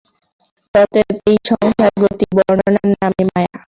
অতএব এই সংসারগতি-বর্ণনার নামই মায়া।